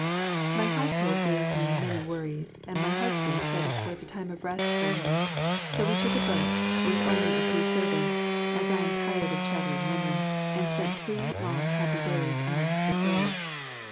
My household gave me many worries, and my husband said it was a time of rest for me, so we took a boat, with only a few servants, as I am tired of chattering women, and spent three long happy days amongst the hills.